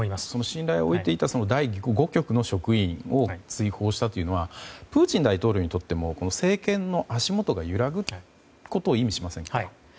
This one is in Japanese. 信頼を置いていた第５局の職員を追放したというのはプーチン大統領にとっても政権の足元が揺らぐことを意味しませんか？